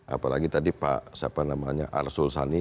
apalagi tadi pak arsul sani